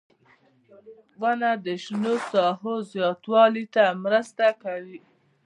• ونه د شنو ساحو زیاتوالي ته مرسته کوي.